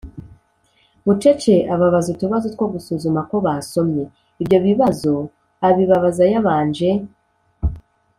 bucece ababaza utubazo two gusuzuma ko basomye. Ibyo bibazo abibabaza yabanje